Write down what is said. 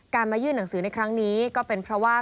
มายื่นหนังสือในครั้งนี้ก็เป็นเพราะว่า